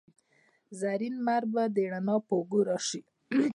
زرین لمر به د روڼا په اوږو راشي